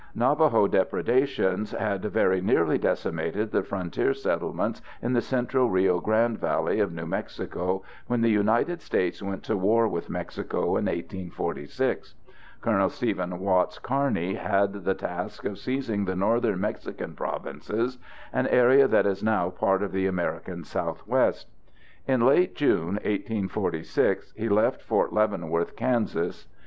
Navajo depredations had very nearly decimated the frontier settlements in the central Rio Grande Valley of New Mexico when the United States went to war with Mexico in 1846. Col. Stephen Watts Kearny had the task of seizing the northern Mexican provinces, an area that is now part of the American Southwest. In late June 1846 he left Fort Leavenworth, Kansas.